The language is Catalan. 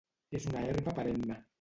És una herba perenne.